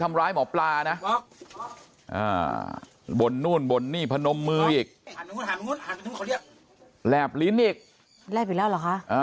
ทำร้ายหมอปลานะบนนู่นบ่นนี่พนมมืออีกแหลบลิ้นอีกแลบอีกแล้วเหรอคะ